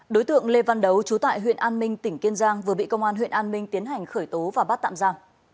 đối tượng lê văn đấu trú tại huyện an minh tỉnh kiên giang vừa bị công an huyện an minh tiến hành khởi tố và bắt tạm ra